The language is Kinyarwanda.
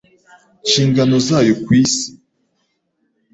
nshingano zayo kwi isi.